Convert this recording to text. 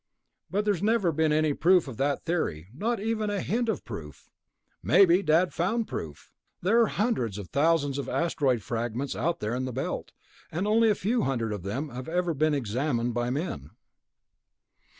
"But there's never been any proof of that theory ... not even a hint of proof." "Maybe Dad found proof. There are hundreds of thousands of asteroid fragments out there in the Belt, and only a few hundred of them have ever been examined by men."